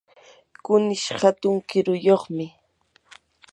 kunish hatun kiruyuqmi.